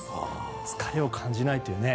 疲れを感じないという。